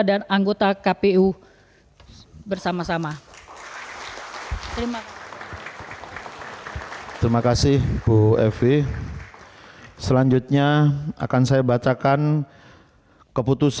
dan anggota kpu bersama sama terima kasih terima kasih bu fb selanjutnya akan saya bacakan keputusan